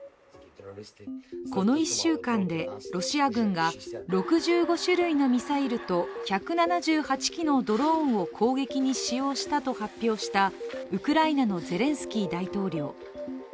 この１週間でロシア軍が６５種類のミサイルと１７８基のドローンを攻撃に使用したと発表したウクライナのゼレンスキー大統領。